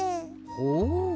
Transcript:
ほう。